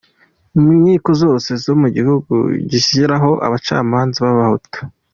Mu nkiko zose zo mu gihugu, gushyiraho abacamanza b’abahutu.